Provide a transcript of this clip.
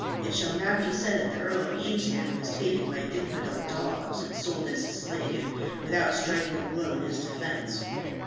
It shall not be said that the Earl of Evesham was taken by infidel dogs and sold as a slave, without striking a blow in his defence."